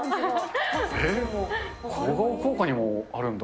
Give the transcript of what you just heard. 小顔効果もあるんだ。